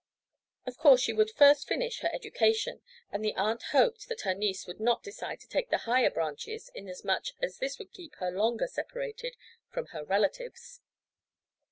Of course she would first finish her education; and the aunt hoped that her niece would not decide to take the higher branches, inasmuch as this would keep her longer separated from her relatives.